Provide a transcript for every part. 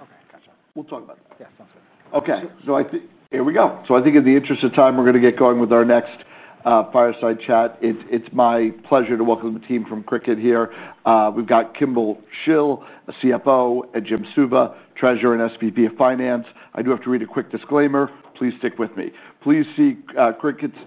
Okay, gotcha. We'll talk about it. Yeah, that's good. I think here we go. I think in the interest of time, we're going to get going with our next fireside chat. It's my pleasure to welcome the team from Cricut here. We've got Kimball Shill, Chief Financial Officer, and Jim Suva, Treasurer and Senior Vice President of Finance. I do have to read a quick disclaimer. Please stick with me. Please see Cricut's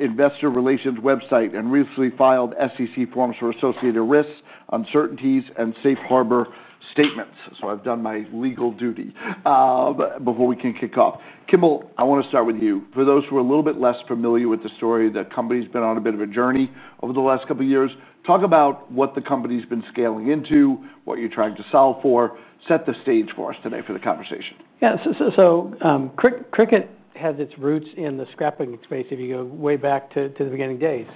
investor relations website and recently filed SEC forms for associated risks, uncertainties, and safe harbor statements. I've done my legal duty before we can kick off. Kimball, I want to start with you. For those who are a little bit less familiar with the story, the company's been on a bit of a journey over the last couple of years. Talk about what the company's been scaling into, what you're trying to solve for. Set the stage for us today for the conversation. Yeah, so Cricut has its roots in the scrapping space if you go way back to the beginning days.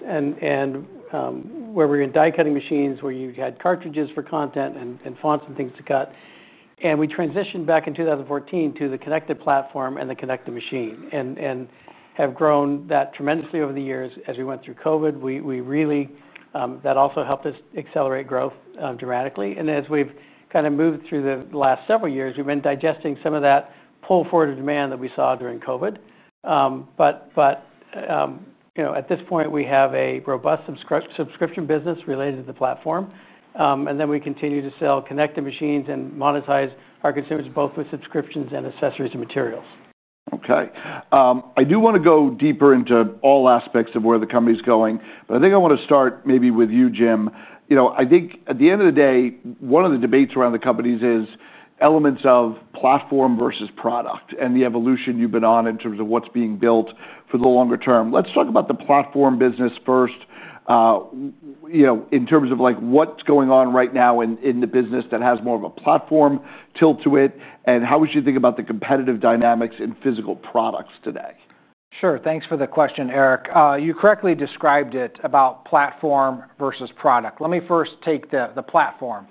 Where we were in die cutting machines where you had cartridges for content and fonts and things to cut, we transitioned back in 2014 to the connected platform and the connected machine and have grown that tremendously over the years. As we went through COVID, that also helped us accelerate growth dramatically. As we've kind of moved through the last several years, we've been digesting some of that pull forward of demand that we saw during COVID. At this point, we have a robust subscription business related to the platform, and we continue to sell connected machines and monetize our consumers both with subscriptions and accessories and materials. Okay. I do want to go deeper into all aspects of where the company's going, but I think I want to start maybe with you, Jim. I think at the end of the day, one of the debates around the companies is elements of platform versus product and the evolution you've been on in terms of what's being built for the longer term. Let's talk about the platform business first. In terms of what's going on right now in the business that has more of a platform tilt to it, how would you think about the competitive dynamics in physical products today? Sure, thanks for the question, Eric. You correctly described it about platform versus product. Let me first take the platform.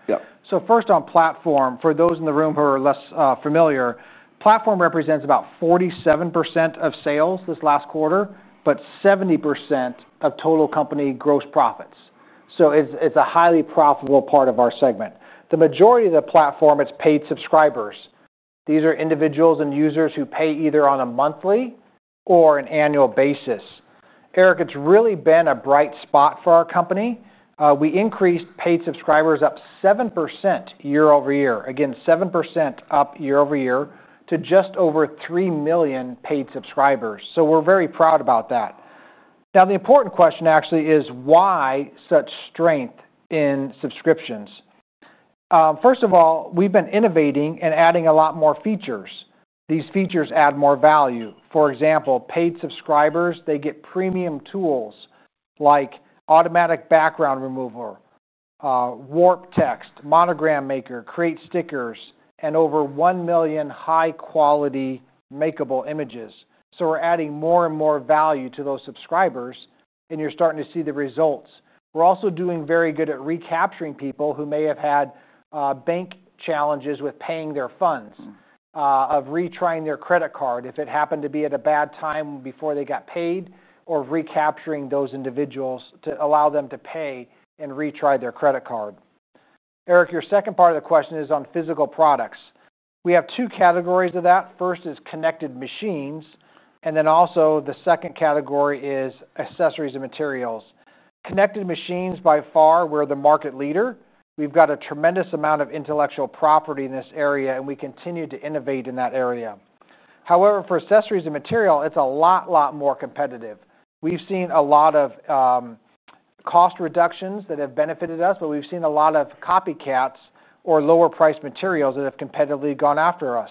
First on platform, for those in the room who are less familiar, platform represents about 47% of sales this last quarter, but 70% of total company gross profits. It's a highly profitable part of our segment. The majority of the platform is paid subscribers. These are individuals and users who pay either on a monthly or an annual basis. Eric, it's really been a bright spot for our company. We increased paid subscribers up 7% year over year. Again, 7% up year over year to just over 3 million paid subscribers. We're very proud about that. The important question actually is why such strength in subscriptions. First of all, we've been innovating and adding a lot more features. These features add more value. For example, paid subscribers, they get premium tools like automatic background remover, warp text, monogram maker, create stickers, and over 1 million high-quality makable images. We're adding more and more value to those subscribers, and you're starting to see the results. We're also doing very good at recapturing people who may have had bank challenges with paying their funds, of retrying their credit card if it happened to be at a bad time before they got paid, or recapturing those individuals to allow them to pay and retry their credit card. Eric, your second part of the question is on physical products. We have two categories of that. First is connected machines, and then also the second category is accessories and materials. Connected machines, by far, we're the market leader. We've got a tremendous amount of intellectual property in this area, and we continue to innovate in that area. However, for accessories and material, it's a lot, lot more competitive. We've seen a lot of cost reductions that have benefited us, but we've seen a lot of copycats or lower-priced materials that have competitively gone after us.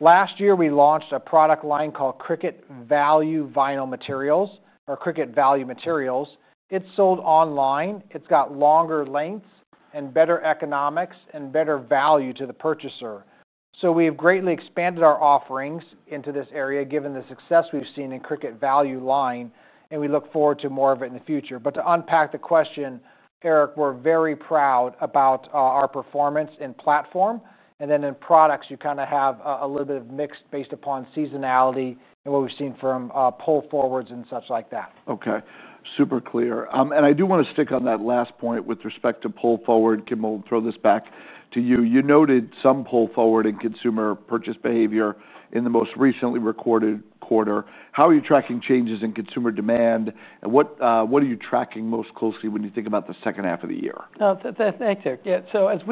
Last year, we launched a product line called Cricut Value Line. It's sold online. It's got longer lengths and better economics and better value to the purchaser. We've greatly expanded our offerings into this area given the success we've seen in Cricut Value Line, and we look forward to more of it in the future. To unpack the question, Eric, we're very proud about our performance in platform, and then in products, you kind of have a little bit of mix based upon seasonality and what we've seen from pull forwards and such like that. Okay, super clear. I do want to stick on that last point with respect to pull forward. Kimball, throw this back to you. You noted some pull forward in consumer purchase behavior in the most recently recorded quarter. How are you tracking changes in consumer demand? What are you tracking most closely when you think about the second half of the year? That's a nice take. As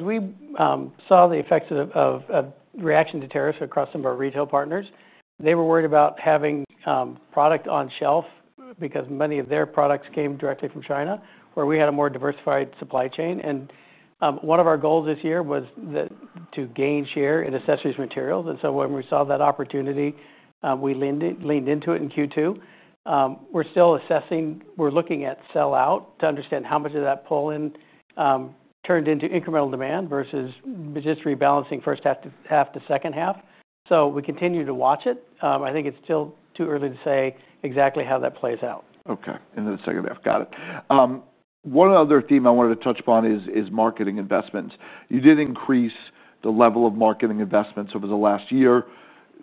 we saw the effects of reaction to tariffs across some of our retail partners, they were worried about having product on shelf because many of their products came directly from China, where we had a more diversified supply chain. One of our goals this year was to gain share in accessories and materials. When we saw that opportunity, we leaned into it in Q2. We're still assessing, looking at sell-out to understand how much of that pull-in turned into incremental demand versus just rebalancing first half to second half. We continue to watch it. I think it's still too early to say exactly how that plays out. Okay, in the second half, got it. One other theme I wanted to touch upon is marketing investments. You did increase the level of marketing investments over the last year.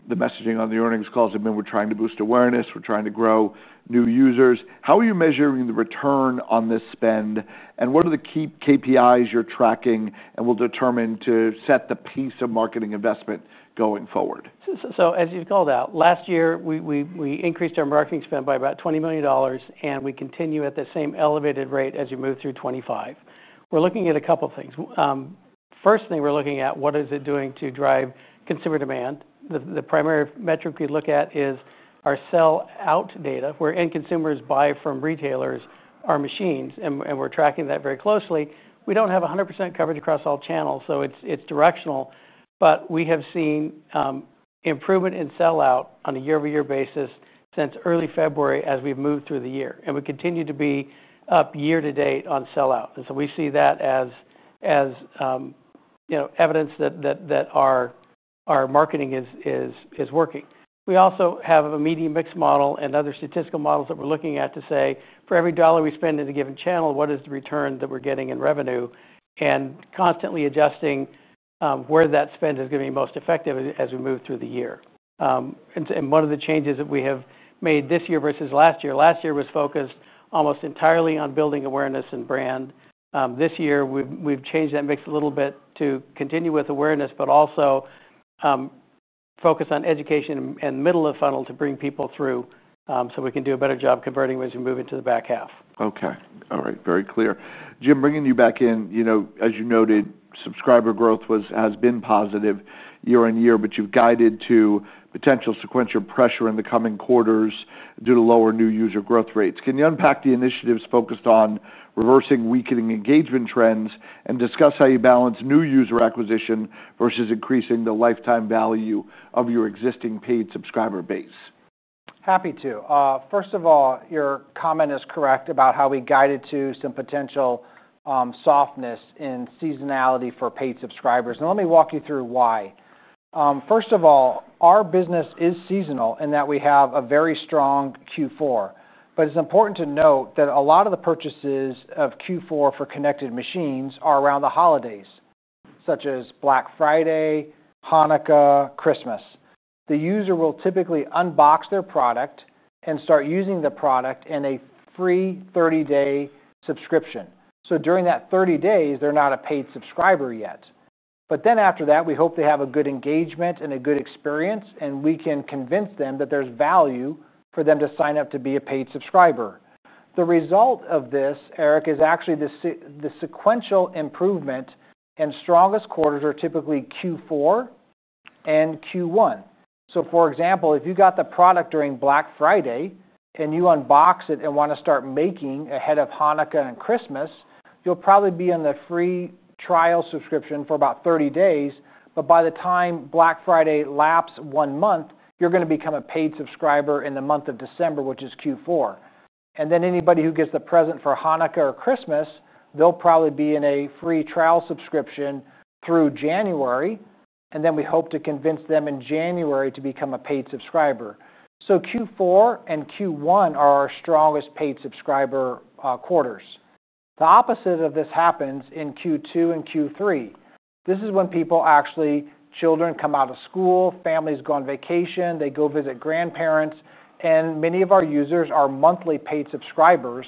The messaging on the earnings calls has been, we're trying to boost awareness, we're trying to grow new users. How are you measuring the return on this spend, and what are the key KPIs you're tracking and will determine to set the pace of marketing investment going forward? As you called out, last year, we increased our marketing spend by about $20 million, and we continue at the same elevated rate as you move through 2025. We're looking at a couple of things. First thing we're looking at, what is it doing to drive consumer demand? The primary metric we look at is our sell-out data, where end consumers buy from retailers our machines, and we're tracking that very closely. We don't have 100% coverage across all channels, so it's directional, but we have seen improvement in sell-out on a year-over-year basis since early February as we've moved through the year. We continue to be up year to date on sell-out. We see that as evidence that our marketing is working. We also have a medium mix model and other statistical models that we're looking at to say, for every dollar we spend in a given channel, what is the return that we're getting in revenue? We're constantly adjusting where that spend is going to be most effective as we move through the year. One of the changes that we have made this year versus last year, last year was focused almost entirely on building awareness and brand. This year, we've changed that mix a little bit to continue with awareness, but also focus on education and middle of the funnel to bring people through so we can do a better job converting as we move into the back half. Okay, all right, very clear. Jim, bringing you back in, as you noted, subscriber growth has been positive year on year, but you've guided to potential sequential pressure in the coming quarters due to lower new user growth rates. Can you unpack the initiatives focused on reversing weakening engagement trends and discuss how you balance new user acquisition versus increasing the lifetime value of your existing paid subscriber base? Happy to. First of all, your comment is correct about how we guided to some potential softness in seasonality for paid subscribers. Now let me walk you through why. First of all, our business is seasonal in that we have a very strong Q4. It's important to note that a lot of the purchases of Q4 for connected machines are around the holidays, such as Black Friday, Hanukkah, Christmas. The user will typically unbox their product and start using the product in a free 30-day subscription. During that 30 days, they're not a paid subscriber yet. After that, we hope they have a good engagement and a good experience, and we can convince them that there's value for them to sign up to be a paid subscriber. The result of this, Eric, is actually the sequential improvement, and strongest quarters are typically Q4 and Q1. For example, if you got the product during Black Friday and you unbox it and want to start making ahead of Hanukkah and Christmas, you'll probably be in the free trial subscription for about 30 days. By the time Black Friday lapses one month, you're going to become a paid subscriber in the month of December, which is Q4. Anybody who gets the present for Hanukkah or Christmas, they'll probably be in a free trial subscription through January. We hope to convince them in January to become a paid subscriber. Q4 and Q1 are our strongest paid subscriber quarters. The opposite of this happens in Q2 and Q3. This is when people actually, children come out of school, families go on vacation, they go visit grandparents, and many of our users are monthly paid subscribers.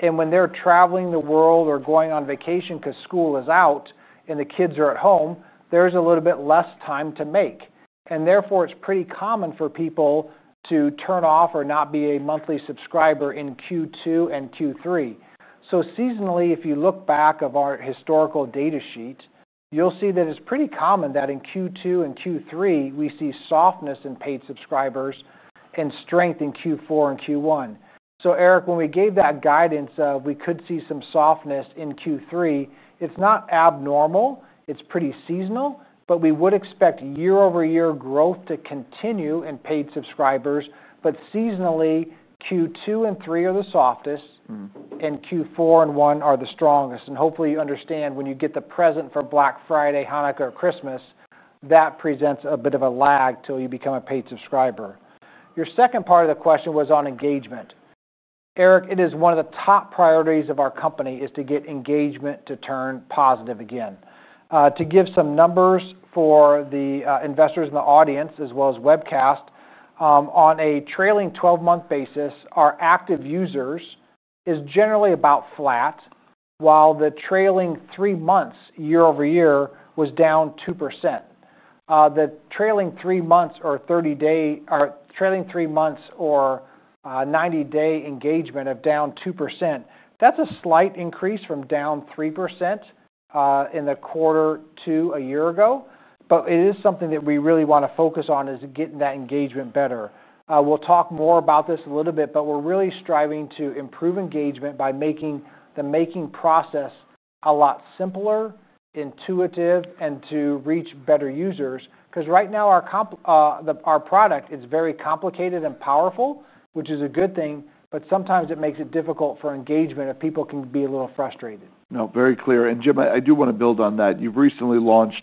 When they're traveling the world or going on vacation because school is out and the kids are at home, there's a little bit less time to make. Therefore, it's pretty common for people to turn off or not be a monthly subscriber in Q2 and Q3. Seasonally, if you look back at our historical data sheet, you'll see that it's pretty common that in Q2 and Q3, we see softness in paid subscribers and strength in Q4 and Q1. Eric, when we gave that guidance, we could see some softness in Q3. It's not abnormal. It's pretty seasonal, but we would expect year-over-year growth to continue in paid subscribers. Seasonally, Q2 and Q3 are the softest, and Q4 and Q1 are the strongest. Hopefully, you understand when you get the present for Black Friday, Hanukkah, or Christmas, that presents a bit of a lag till you become a paid subscriber. Your second part of the question was on engagement. Eric, it is one of the top priorities of our company to get engagement to turn positive again. To give some numbers for the investors in the audience, as well as webcast, on a trailing 12-month basis, our active users are generally about flat, while the trailing three months, year over year, was down 2%. The trailing three months or 30-day or trailing three months or 90-day engagement are down 2%. That's a slight increase from down 3% in the quarter to a year ago. It is something that we really want to focus on, getting that engagement better. We'll talk more about this a little bit, but we're really striving to improve engagement by making the making process a lot simpler, intuitive, and to reach better users. Right now, our product is very complicated and powerful, which is a good thing, but sometimes it makes it difficult for engagement if people can be a little frustrated. No, very clear. Jim, I do want to build on that. You've recently launched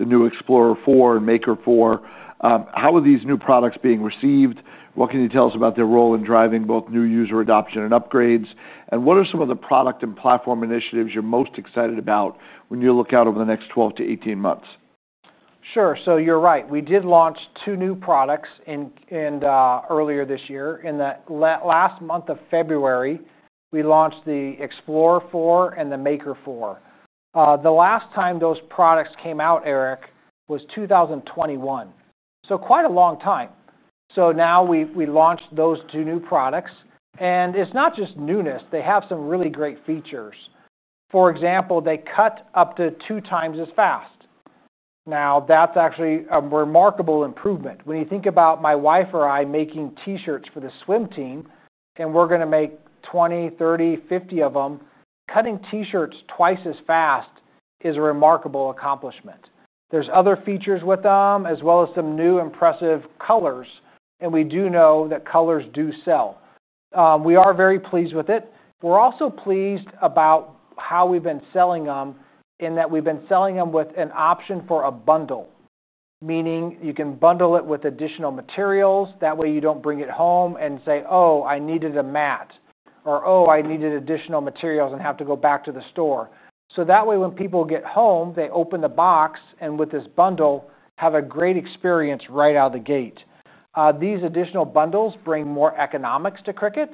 the new Cricut Explore® 4 and Cricut Maker® 4. How are these new products being received? What can you tell us about their role in driving both new user adoption and upgrades? What are some of the product and platform initiatives you're most excited about when you look out over the next 12 to 18 months? Sure. You're right. We did launch two new products earlier this year. In the last month of February, we launched the Cricut Explore® 4 and the Cricut Maker® 4. The last time those products came out, Eric, was 2021. Quite a long time. Now we launched those two new products, and it's not just newness. They have some really great features. For example, they cut up to two times as fast. That's actually a remarkable improvement. When you think about my wife or I making t-shirts for the swim team, and we're going to make 20, 30, 50 of them, cutting t-shirts twice as fast is a remarkable accomplishment. There are other features with them, as well as some new impressive colors. We do know that colors do sell. We are very pleased with it. We're also pleased about how we've been selling them, in that we've been selling them with an option for a bundle, meaning you can bundle it with additional materials. That way, you don't bring it home and say, "Oh, I needed a mat," or "Oh, I needed additional materials and have to go back to the store." That way, when people get home, they open the box and with this bundle have a great experience right out of the gate. These additional bundles bring more economics to Cricut,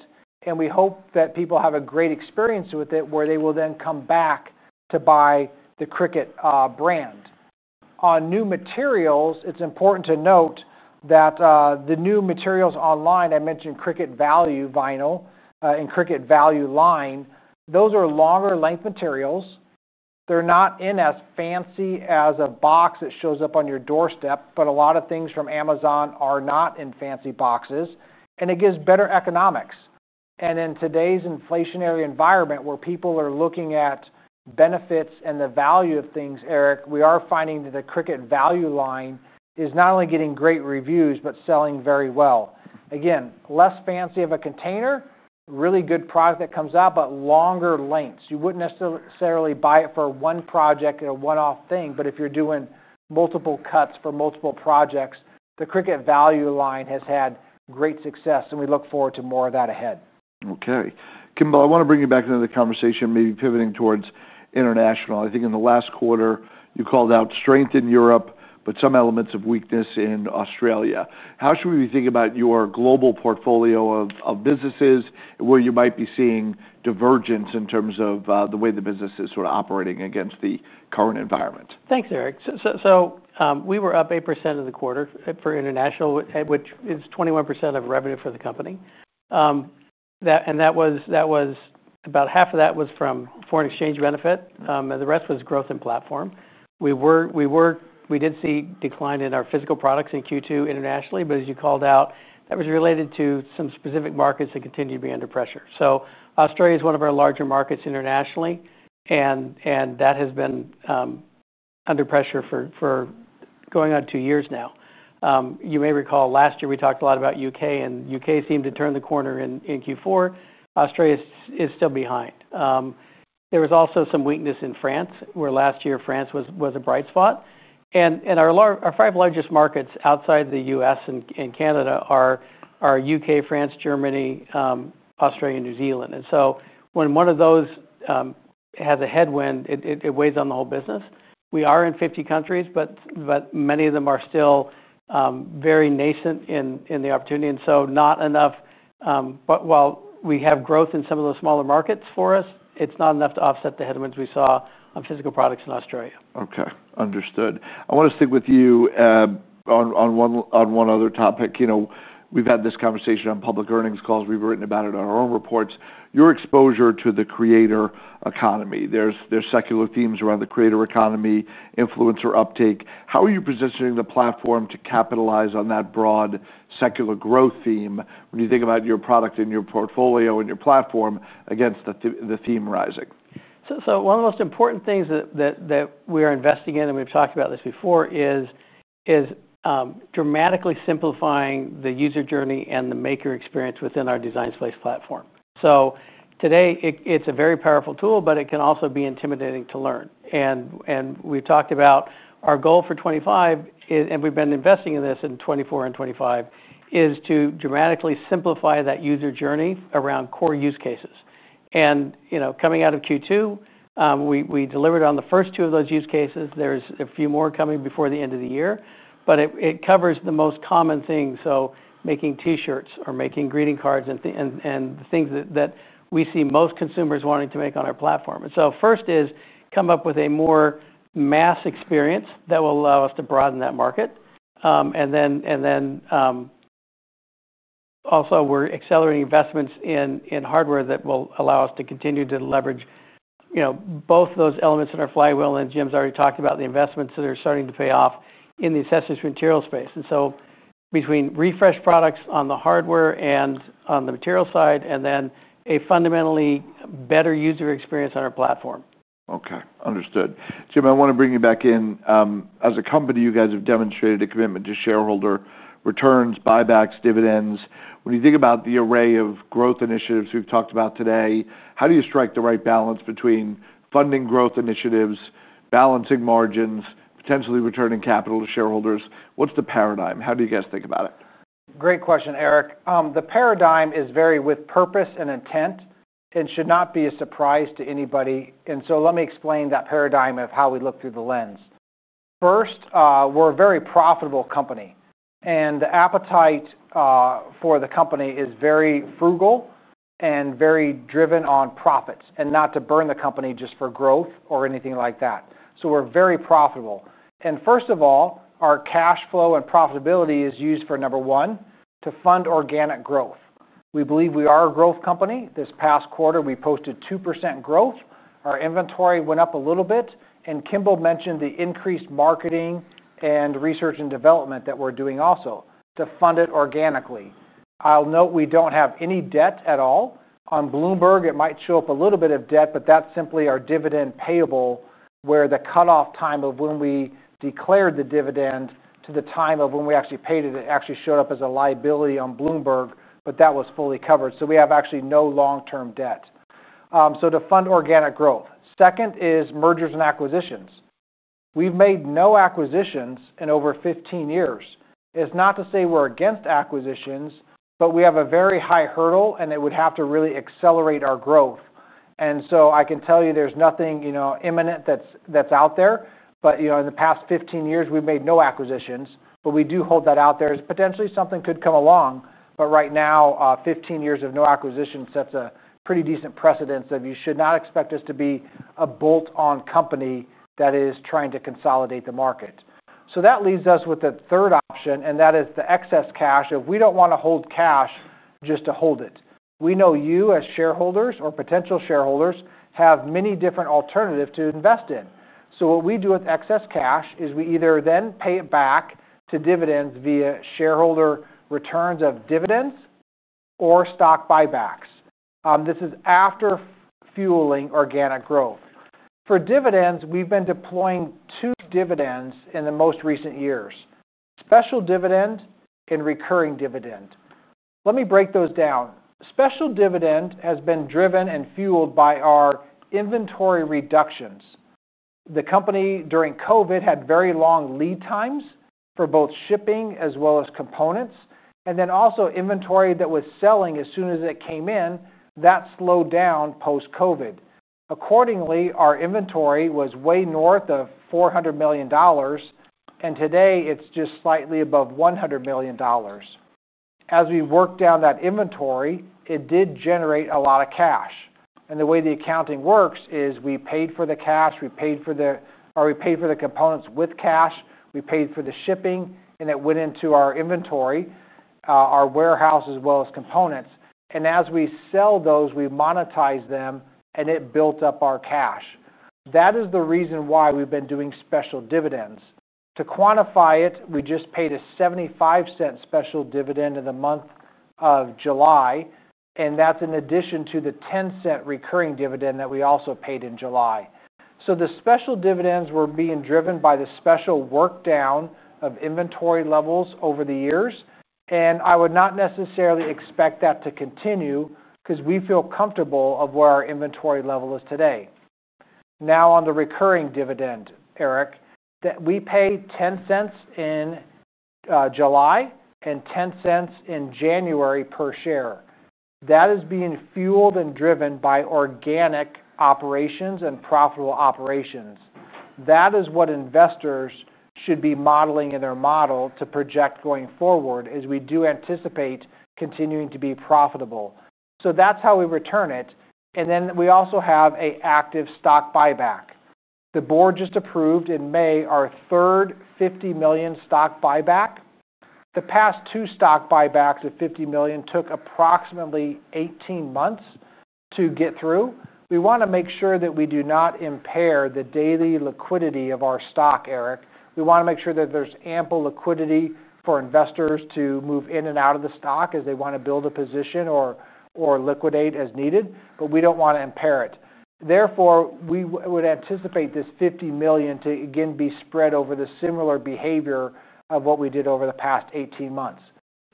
and we hope that people have a great experience with it, where they will then come back to buy the Cricut brand. On new materials, it's important to note that the new materials online, I mentioned Cricut Value Vinyl and Cricut Value Line, those are longer length materials. They're not in as fancy a box that shows up on your doorstep, but a lot of things from Amazon are not in fancy boxes, and it gives better economics. In today's inflationary environment, where people are looking at benefits and the value of things, Eric, we are finding that the Cricut Value Line is not only getting great reviews, but selling very well. Again, less fancy of a container, really good product that comes out, but longer lengths. You wouldn't necessarily buy it for one project in a one-off thing, but if you're doing multiple cuts for multiple projects, the Cricut Value Line has had great success, and we look forward to more of that ahead. Okay. Kimball, I want to bring you back into the conversation, maybe pivoting towards international. I think in the last quarter, you called out strength in Europe, but some elements of weakness in Australia. How should we be thinking about your global portfolio of businesses and where you might be seeing divergence in terms of the way the business is sort of operating against the current environment? Thanks, Eric. We were up 8% for the quarter for international, which is 21% of revenue for the company. About half of that was from foreign exchange benefit, and the rest was growth in platform. We did see a decline in our physical products in Q2 internationally, as you called out, that was related to some specific markets that continue to be under pressure. Australia is one of our larger markets internationally, and that has been under pressure for going on two years now. You may recall last year we talked a lot about UK, and UK seemed to turn the corner in Q4. Australia is still behind. There was also some weakness in France, where last year France was a bright spot. Our five largest markets outside the U.S. and Canada are UK, France, Germany, Australia, and New Zealand. When one of those has a headwind, it weighs on the whole business. We are in 50 countries, but many of them are still very nascent in the opportunity, and not enough. While we have growth in some of those smaller markets for us, it's not enough to offset the headwinds we saw on physical products in Australia. Okay, understood. I want to stick with you on one other topic. You know, we've had this conversation on public earnings calls. We've written about it on our own reports. Your exposure to the creator economy, there's secular themes around the creator economy, influencer uptake. How are you positioning the platform to capitalize on that broad secular growth theme when you think about your product and your portfolio and your platform against the theme rising? One of the most important things that we are investing in, and we've talked about this before, is dramatically simplifying the user journey and the maker experience within our design space platform. Today, it's a very powerful tool, but it can also be intimidating to learn. We've talked about our goal for 2025, and we've been investing in this in 2024 and 2025, to dramatically simplify that user journey around core use cases. Coming out of Q2, we delivered on the first two of those use cases. There are a few more coming before the end of the year, but it covers the most common things, like making t-shirts or making greeting cards and the things that we see most consumers wanting to make on our platform. First is to come up with a more mass experience that will allow us to broaden that market. We are also accelerating investments in hardware that will allow us to continue to leverage both those elements in our flywheel. Jim's already talked about the investments that are starting to pay off in the accessories and materials space. Between refreshed products on the hardware and on the materials side, and then a fundamentally better user experience on our platform. Okay, understood. Jim, I want to bring you back in. As a company, you guys have demonstrated a commitment to shareholder returns, buybacks, dividends. When you think about the array of growth initiatives we've talked about today, how do you strike the right balance between funding growth initiatives, balancing margins, potentially returning capital to shareholders? What's the paradigm? How do you guys think about it? Great question, Eric. The paradigm is very with purpose and intent and should not be a surprise to anybody. Let me explain that paradigm of how we look through the lens. First, we're a very profitable company, and the appetite for the company is very frugal and very driven on profits, not to burn the company just for growth or anything like that. We're very profitable. First of all, our cash flow and profitability is used for number one, to fund organic growth. We believe we are a growth company. This past quarter, we posted 2% growth. Our inventory went up a little bit, and Kimball mentioned the increased marketing and research and development that we're doing also to fund it organically. I'll note we don't have any debt at all. On Bloomberg, it might show up a little bit of debt, but that's simply our dividend payable, where the cutoff time of when we declared the dividend to the time of when we actually paid it, it actually showed up as a liability on Bloomberg, but that was fully covered. We have actually no long-term debt. To fund organic growth. Second is mergers and acquisitions. We've made no acquisitions in over 15 years. It's not to say we're against acquisitions, but we have a very high hurdle, and it would have to really accelerate our growth. I can tell you there's nothing imminent that's out there, but in the past 15 years, we've made no acquisitions, but we do hold that out there. Potentially, something could come along, but right now, 15 years of no acquisition sets a pretty decent precedence that you should not expect us to be a bolt-on company that is trying to consolidate the market. That leaves us with the third option, and that is the excess cash. If we don't want to hold cash just to hold it, we know you as shareholders or potential shareholders have many different alternatives to invest in. What we do with excess cash is we either then pay it back to dividends via shareholder returns of dividends or stock buybacks. This is after fueling organic growth. For dividends, we've been deploying two dividends in the most recent years: special dividend and recurring dividend. Let me break those down. Special dividend has been driven and fueled by our inventory reductions. The company during COVID had very long lead times for both shipping as well as components, and then also inventory that was selling as soon as it came in, that slowed down post-COVID. Accordingly, our inventory was way north of $400 million, and today it's just slightly above $100 million. As we worked down that inventory, it did generate a lot of cash. The way the accounting works is we paid for the components with cash, we paid for the shipping, and it went into our inventory, our warehouse, as well as components. As we sell those, we monetize them, and it built up our cash. That is the reason why we've been doing special dividends. To quantify it, we just paid a $0.75 special dividend in the month of July, and that's in addition to the $0.10 recurring dividend that we also paid in July. The special dividends were being driven by the special workdown of inventory levels over the years, and I would not necessarily expect that to continue because we feel comfortable with where our inventory level is today. Now on the recurring dividend, Eric, we pay $0.10 in July and $0.10 in January per share. That is being fueled and driven by organic operations and profitable operations. That is what investors should be modeling in their model to project going forward, as we do anticipate continuing to be profitable. That's how we return it. We also have an active stock buyback. The board just approved in May our third $50 million stock buyback. The past two stock buybacks at $50 million took approximately 18 months to get through. We want to make sure that we do not impair the daily liquidity of our stock, Eric. We want to make sure that there's ample liquidity for investors to move in and out of the stock as they want to build a position or liquidate as needed, but we don't want to impair it. Therefore, we would anticipate this $50 million to again be spread over the similar behavior of what we did over the past 18 months.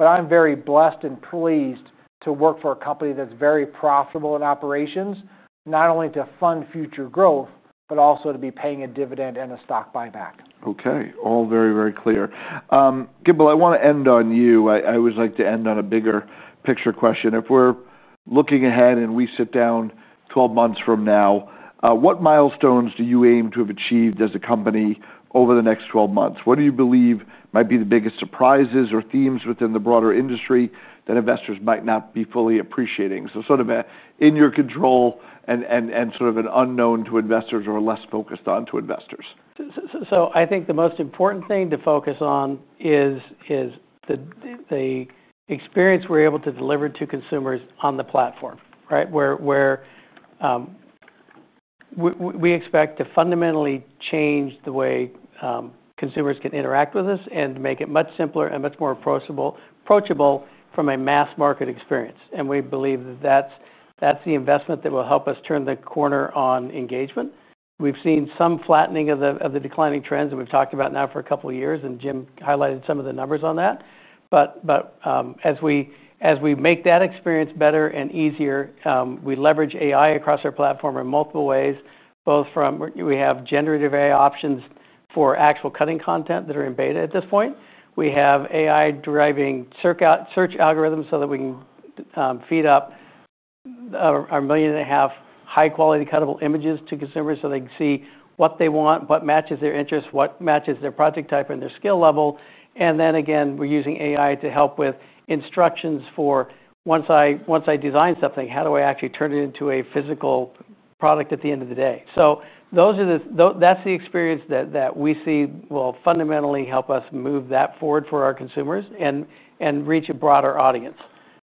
I'm very blessed and pleased to work for a company that's very profitable in operations, not only to fund future growth, but also to be paying a dividend and a stock buyback. Okay, all very, very clear. Kimball, I want to end on you. I always like to end on a bigger picture question. If we're looking ahead and we sit down 12 months from now, what milestones do you aim to have achieved as a company over the next 12 months? What do you believe might be the biggest surprises or themes within the broader industry that investors might not be fully appreciating? In your control and sort of an unknown to investors or less focused on to investors. I think the most important thing to focus on is the experience we're able to deliver to consumers on the platform, right? We expect to fundamentally change the way consumers can interact with us and make it much simpler and much more approachable from a mass market experience. We believe that that's the investment that will help us turn the corner on engagement. We've seen some flattening of the declining trends that we've talked about now for a couple of years, and Jim highlighted some of the numbers on that. As we make that experience better and easier, we leverage AI across our platform in multiple ways, both from we have generative AI options for actual cutting content that are in beta at this point. We have AI driving search algorithms so that we can feed up our million and a half high-quality cuttable images to consumers so they can see what they want, what matches their interests, what matches their project type and their skill level. We're using AI to help with instructions for once I design something, how do I actually turn it into a physical product at the end of the day? That's the experience that we see will fundamentally help us move that forward for our consumers and reach a broader audience.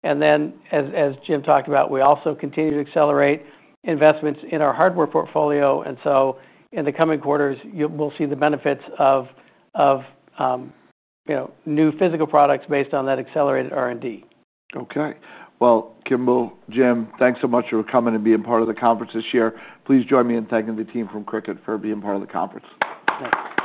As Jim talked about, we also continue to accelerate investments in our hardware portfolio. In the coming quarters, we'll see the benefits of new physical products based on that accelerated R&D. Okay. Kimball, Jim, thanks so much for coming and being part of the conference this year. Please join me in thanking the team from Cricut for being part of the conference. Eric, thank you.